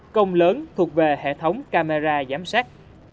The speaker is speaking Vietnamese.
công lớn thuộc về hệ thống camera giám sát